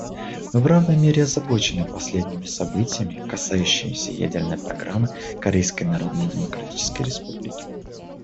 Мы в равной мере озабочены последними событиями, касающимися ядерной программы Корейской Народно-Демократической Республики.